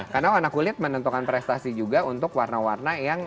karena warna kulit menentukan prestasi juga untuk warna warna yang